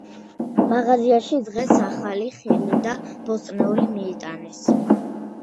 მაღაზიაში დღეს ახალი ხილი და ბოსტნეული მიიტანეს.